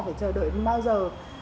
phải chờ đợi bao giờ